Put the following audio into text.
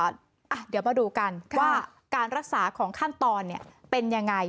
เดี๋ยวมาดูกันว่าการรักษาของขั้นตอนเป็นยังไง